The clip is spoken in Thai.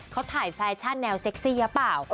เขาถ่ายแฟชั่นแนวเซ็กซี่หรือเปล่า